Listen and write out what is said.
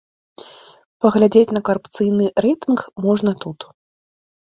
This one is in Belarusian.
Паглядзець на карупцыйны рэйтынг можна тут.